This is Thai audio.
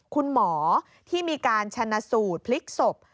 คุณหมอที่มีการชนะสูตรพลิกศพ